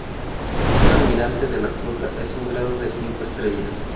Un almirante de la Flota es un grado de cinco estrellas.